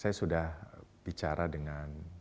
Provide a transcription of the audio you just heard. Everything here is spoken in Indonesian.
saya sudah bicara dengan